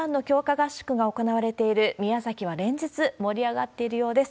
合宿が行われている宮崎は連日盛り上がっているようです。